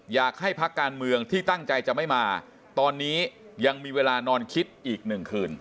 อยากให้พักการเมืองที่ตั้งใจจะไม่มาตอนนี้ยังมีเวลานอนคิดอีกหนึ่งคืน